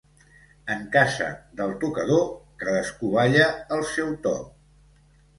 En casa del tocador, cadascú balla al seu to.